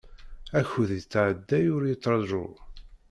Akud yettɛedday ur yettraju.